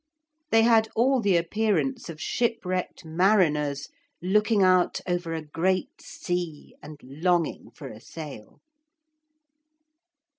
They had all the appearance of shipwrecked mariners looking out over a great sea and longing for a sail.